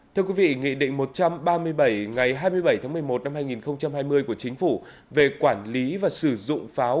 thưa quý vị nghị định một trăm ba mươi bảy ngày hai mươi bảy tháng một mươi một năm hai nghìn hai mươi của chính phủ về quản lý và sử dụng pháo